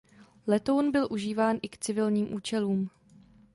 Letoun byl užíván i k civilním účelům.